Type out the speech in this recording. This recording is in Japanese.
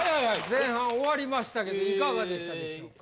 前半終わりましたけどいかがでしたでしょうか？